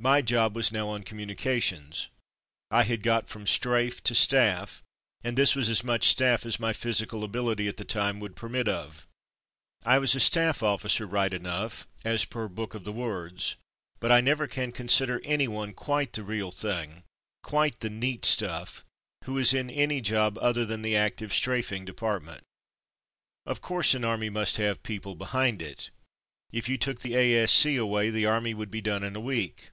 My job was now on communications. I had got from strafe to staff, and this was as much staff as my physical ability at that time would permit of. I was a staff officer right enough as per "book of the words,'' but I never can con sider any one quite the real thing, quite the neat stuff, who is in any job other than the active strafing department. Of course, an army must have people behind it. If you took the A.S.C. away, the army would be done in a week.